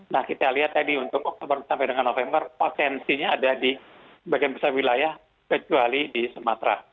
nah kita lihat tadi untuk oktober sampai dengan november potensinya ada di bagian besar wilayah kecuali di sumatera